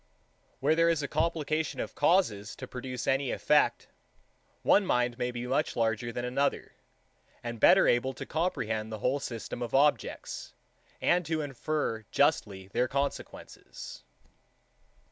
2. Where there is a complication of causes to produce any effect, one mind may be much larger than another, and better able to comprehend the whole system of objects, and to infer justly their consequences.